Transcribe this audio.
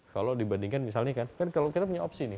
kalau dibandingkan misalnya kan kalau kita punya opsi nih